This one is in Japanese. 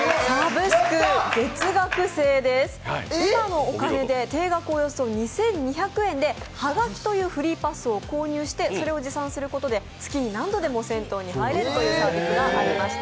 今のお金で定額およそ２２００円で、羽書というフリーパスを購入して、それを持参することで月に何度でも銭湯には入れるというサービスでした。